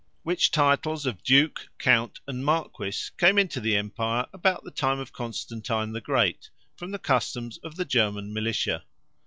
Which titles of Duke, Count, and Marquis, came into the Empire, about the time of Constantine the Great, from the customes of the German Militia.